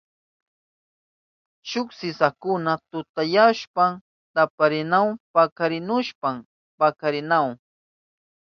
Shuk sisakuna tutayahushpan taparinahun pakarihushpan paskarinahun.